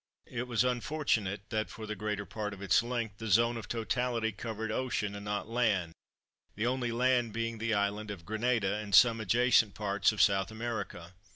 It was unfortunate that for the greater part of its length, the zone of totality covered ocean and not land, the only land being the Island of Grenada and some adjacent parts of South America.